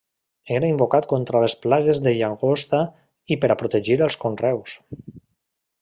Era invocat contra les plagues de llagosta i per a protegir els conreus.